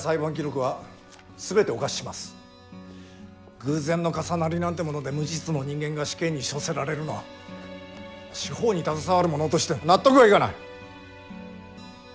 「偶然の重なり」なんてもので無実の人間が死刑に処せられるのは司法に携わる者として納得がいかない！